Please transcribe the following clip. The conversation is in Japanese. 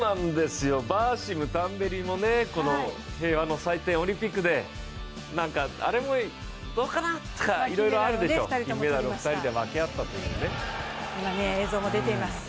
バーシム、タンベリも平和の祭典オリンピックであれも、どうかなとかいろいろあるでしょう、金メダルを２人で分け合ったというね。